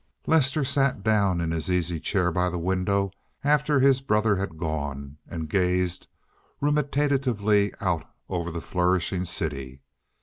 Lester sat down in his easy chair by the window after his brother had gone and gazed ruminatively out over the flourishing city.